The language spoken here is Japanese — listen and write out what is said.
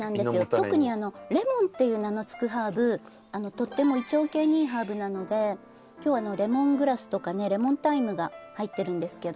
特に「レモン」っていう名の付くハーブとっても胃腸系にいいハーブなので今日はレモングラスとかねレモンタイムが入ってるんですけど。